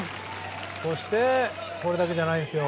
そしてこれだけじゃないんですよ。